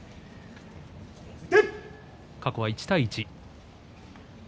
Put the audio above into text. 過去は１対１。